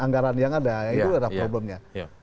anggaran yang ada itu adalah problemnya